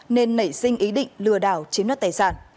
nên nảy sinh ý định lừa đảo chiếm đoạt tài sản